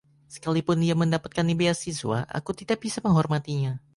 Sekalipun ia mendapatkan beasiswa, aku tidak bisa menghormatinya.